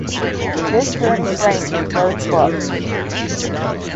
This journey framed his first book.